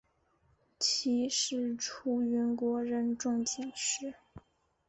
妻是出云国人众井氏。